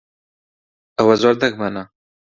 ئەوە زۆر دەگمەنە.